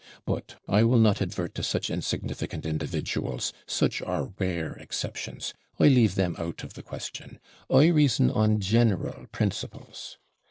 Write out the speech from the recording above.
But I will not advert to such insignificant individuals, such are rare exceptions I leave them out of the question I reason on general principles.